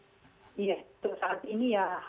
iya untuk saat ini ya